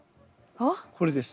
これです。